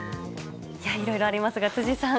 いろいろありますが、辻さん。